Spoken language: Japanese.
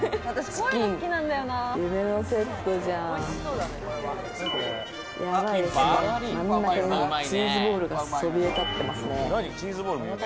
真ん中にチーズボールがそびえ立ってますね。